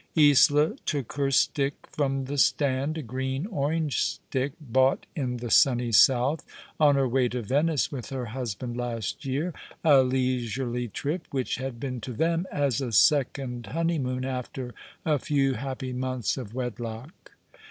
Isola took her stick from the stand, a green orange stick, bought in the sunny South, on her way to Venice with her husband last year — a leisurely trip, v/hich had been to them as a second honeymoon after a few happy months of wedlock.